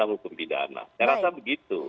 sama sama pembidana saya rasa begitu